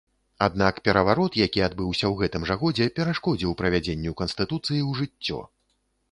Аднак, пераварот, які адбыўся ў гэтым жа годзе, перашкодзіў правядзенню канстытуцыі ў жыццё.